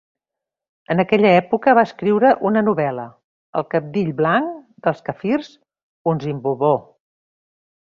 En aquella època, va escriure una novel·la, "El cabdill blanc dels kaffirs Unzimbooboo".